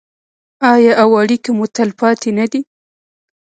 آیا او اړیکې مو تلپاتې نه دي؟